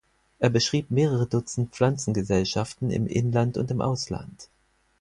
Er beschrieb mehrere Dutzend Pflanzengesellschaften im Inland und im Ausland.